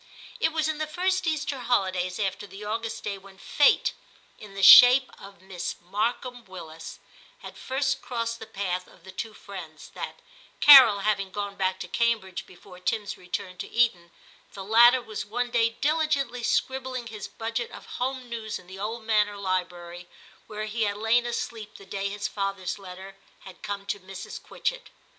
It was in the first Easter holidays after the August day when Fate, in the shape oi Miss Markham Willis, had first crossed the path of the two friends, that, Carol having gone back to Cambridge before Tim's return to Eton, the latter was one day diligently scribbling his budget of home news in the old manor library where he had lain asleep the day his father's letter had come to Mrs. Quitchett.